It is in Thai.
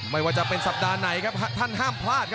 ไม่ว่าจะเป็นสัปดาห์ไหนครับท่านห้ามพลาดครับ